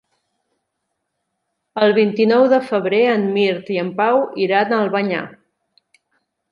El vint-i-nou de febrer en Mirt i en Pau iran a Albanyà.